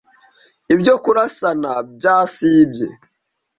Ibyo kurasana byasibye